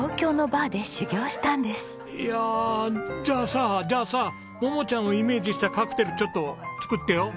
いやあじゃあさじゃあさ桃ちゃんをイメージしたカクテルちょっと作ってよ。